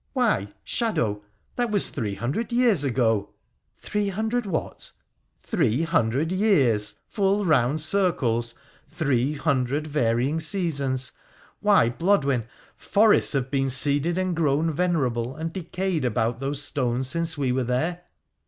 Why, Shadow, that was three hundred years ago !'' Three hundred what ?'' Three hundred years— full round circles, three hundred varying seasons. Why, Blodwen, forests have been seeded, and grown venerable, and decayed about those stones since we were there